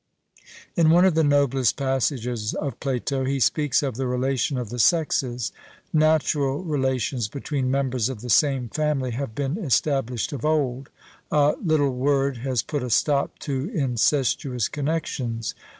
In one of the noblest passages of Plato, he speaks of the relation of the sexes. Natural relations between members of the same family have been established of old; a 'little word' has put a stop to incestuous connexions.